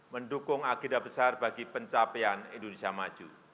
mendukung agenda besar bagi pencapaian indonesia maju